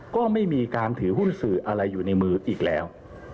ก็ไม่มีการถือหุ้นสื่ออะไรอยู่ในมืออีกแล้ว